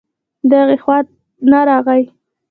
دغې خوا نه راغی